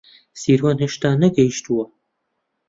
سیروان هێشتا نەگەیشتووە.